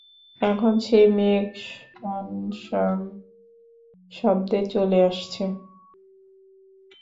এখন সেই মেঘ স্বন স্বন শব্দে চলে আসছে।